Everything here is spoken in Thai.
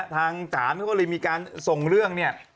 ทางศาลเขาก็เลยมีการส่งเรื่องเนี่ย